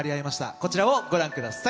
こちらをご覧ください。